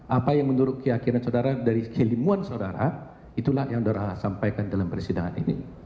apa yang menurut keyakinan saudara dari keilmuan saudara itulah yang saudara sampaikan dalam persidangan ini